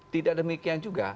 tidak demikian juga